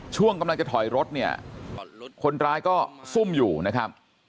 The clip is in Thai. ช่วงกำลังจะถอยรถเนี่ยคนร้ายก็ซุ่มอยู่นะครับ